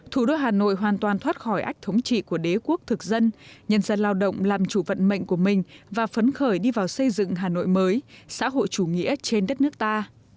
thủ đô hà nội hoàn toàn thoát khỏi ách thống trị của đế quốc thực dân nhân dân lao động làm chủ vận mệnh của mình và phấn khởi đi vào xây dựng hà nội mới xã hội chủ nghĩa trên đất nước ta